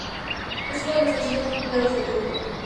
Es uno de los sencillos más populares del grupo.